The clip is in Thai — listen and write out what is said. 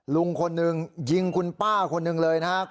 ลุงคนหนึ่งยิงคุณป้าคนหนึ่งเลยนะครับ